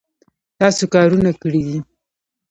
تاسو کارونه کړي دي